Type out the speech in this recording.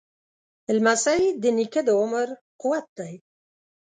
لمسی د نیکه د عمر قوت دی.